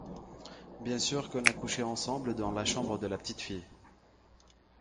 Bien sûr qu’on a couché ensemble dans la chambre de la petite fille.